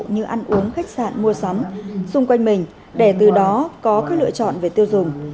như ăn uống khách sạn mua sắm xung quanh mình để từ đó có các lựa chọn về tiêu dùng